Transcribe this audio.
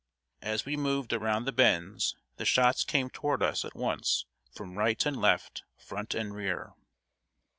As we moved around the bends, the shots came toward us at once from right and left, front and rear.